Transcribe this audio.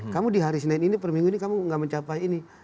kamu di hari senin ini perminggu ini kamu tidak mencapai ini